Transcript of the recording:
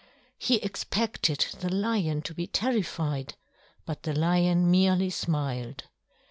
He expected the lion to be terrified, but the lion merely smiled.